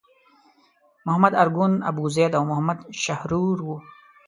محمد ارګون، ابوزید او محمد شحرور وو.